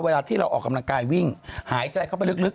เวลาที่เราออกกำลังกายวิ่งหายใจเข้าไปลึก